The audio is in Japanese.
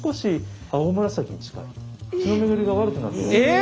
え。